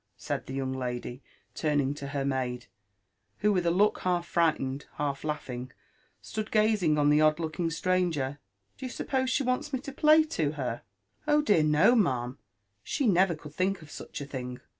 said the young lady, turning io her maid, who, with a look half frightened, half laughing, stood gazing on the odd looking stranger : "doyousupposeshe wants me to play toherf "Oh dear, no, ma'am; she never could think of such a thing.